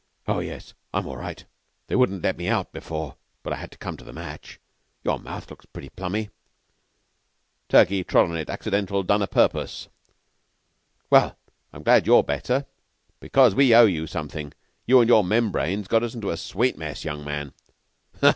"Oh, yes. I'm all right. They wouldn't let me out before, but I had to come to the match. Your mouth looks pretty plummy." "Turkey trod on it accidental done a purpose. Well, I'm glad you're better, because we owe you something. You and your membranes got us into a sweet mess, young man."